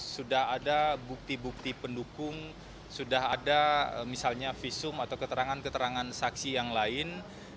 sudah ada bukti bukti pendukung sudah ada misalnya visum atau keterangan keterangan saksi yang lain